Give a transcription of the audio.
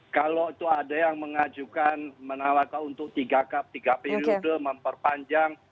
kalau itu ada yang mengajukan menawarkan untuk tiga periode memperpanjang